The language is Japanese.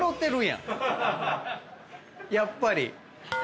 やっぱり。